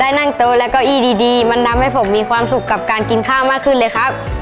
นั่งโต๊ะและเก้าอี้ดีมันทำให้ผมมีความสุขกับการกินข้าวมากขึ้นเลยครับ